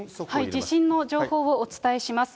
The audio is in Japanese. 地震の情報をお伝えします。